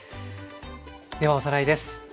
ではおさらいです。